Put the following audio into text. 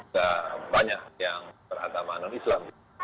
dan banyak yang beragama non islam